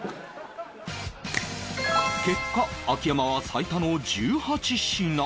結果秋山は最多の１８品